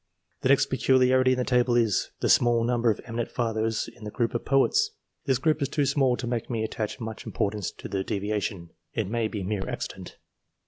The next peculiarity in the table is, the small number of eminent fathers, in the group of Poets. This group is too small to make me attach much importance to the deviation ; it may be mere accident.